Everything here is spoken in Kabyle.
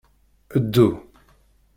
Ddu.